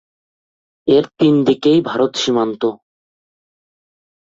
এর তিন দিকেই ভারত সীমান্ত।